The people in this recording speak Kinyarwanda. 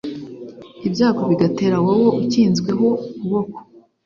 ibyago bigatera wowe ukinzweho ukuboko